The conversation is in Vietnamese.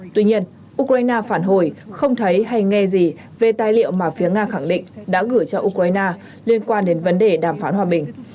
tuy nhiên ukraine phản hồi không thấy hay nghe gì về tài liệu mà phía nga khẳng định đã gửi cho ukraine liên quan đến vấn đề đàm phán hòa bình